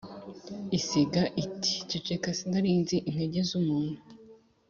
isega iti ” ceceka sinarinzi intege z'umuntu,